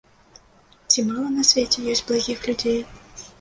Ці мала на свеце ёсць благіх людзей.